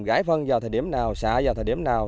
gãi phân vào thời điểm nào xạ vào thời điểm nào